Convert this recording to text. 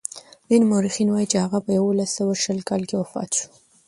ځینې مورخین وايي چې هغه په یوولس سوه شل کال کې وفات شو.